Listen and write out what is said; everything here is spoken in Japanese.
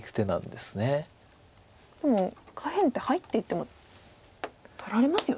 でも下辺って入っていっても取られますよね。